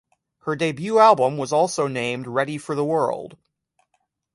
Her debut album was also named "Ready for the World".